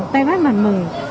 tay bắt mặt mừng